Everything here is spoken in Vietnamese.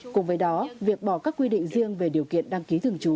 cùng với đó việc bỏ các quy định riêng về điều kiện đăng ký thường trú